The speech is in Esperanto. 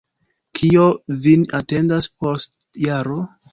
Kio vin atendas post jaro?